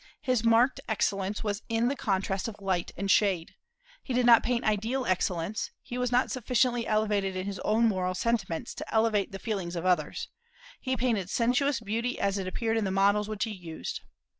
His marked excellence was in the contrast of light and shade. He did not paint ideal excellence; he was not sufficiently elevated in his own moral sentiments to elevate the feelings of others: he painted sensuous beauty as it appeared in the models which he used.